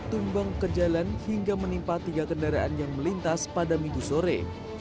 tumbang ke jalan hingga menimpa tiga kendaraan yang melintas pada minggu sore